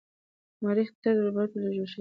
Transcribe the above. مریخ ته روباتونه لیږل شوي دي.